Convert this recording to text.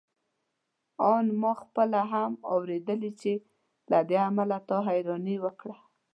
آن ما خپله هم اورېدې چې له دې امله تا حيراني وکړه.